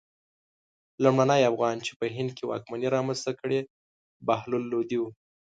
لومړني افغان چې په هند کې واکمني رامنځته کړه بهلول لودی و.